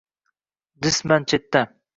Jisman chetda